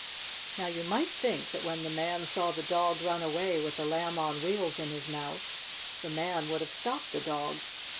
Now you might think that when the man saw the dog run away with the Lamb on Wheels in his mouth the man would have stopped the dog.